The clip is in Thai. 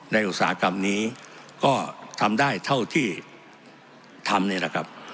อุตสาหกรรมนี้ก็ทำได้เท่าที่ทำนี่แหละครับ